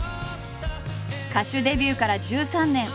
歌手デビューから１３年。